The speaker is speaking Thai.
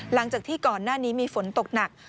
หลังจากที่ก่อนหน้านี้มีฝนตกหนัก